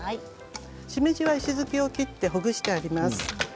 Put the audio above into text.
しめじは石突きを切ってほぐしてあります。